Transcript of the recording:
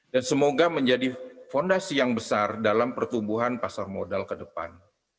dan semoga menjadi fondasi yang besar dalam pertumbuhan pasar modal ke depan